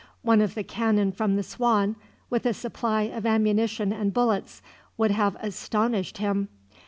One of the cannon from the Swan, with a supply of ammunition and bullets, would have astonished him.